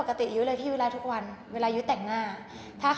ก็พอหลังจากโพสต์เสร็จยุคอาบน้ำ